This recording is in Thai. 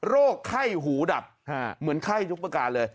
โรคไข้หูดับเหมือนไข้ทุกประการเลย